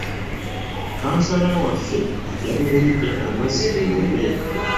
Kkansala waffe yatugulidde amazzi mu lumbe.